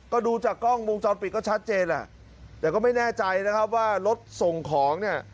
ก็ดูจากกล้องวงจรปิดก็ชัดเจนแหละแต่ก็ไม่แน่ใจนะครับว่ารถส่งของเนี่ย